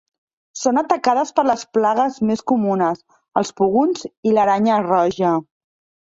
Són atacades per les plagues més comunes, els pugons i l'aranya roja.